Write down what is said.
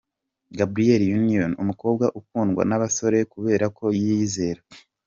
Gabrielle Union, umukobwa ukundwa nabasore kubera ko yiyizera.